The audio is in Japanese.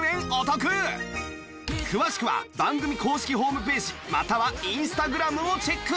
詳しくは番組公式ホームページまたはインスタグラムをチェック！